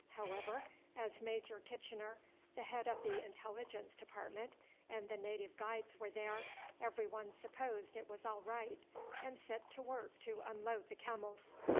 However, as Major Kitchener, the head of the intelligence department, and the native guides were there, every one supposed it was all right, and set to work to unload the camels.